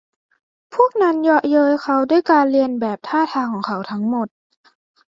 พวกนั้นเยาะเย้ยเขาด้วยการเลียนแบบท่าทางของเขาทั้งหมด